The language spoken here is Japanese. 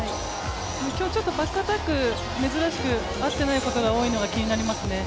今日ちょっとバックアタック、珍しく合っていないことが目立つのが気になりますね。